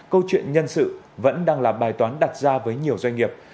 câu chuyện nhân sự vẫn đang là bài toán đặt ra với nhiều doanh nghiệp